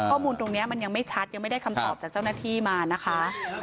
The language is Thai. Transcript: ข้อมูลตรงนี้มันยังไม่ชัดยังไม่ได้คำตอบจากเจ้าหน้าที่มานะคะ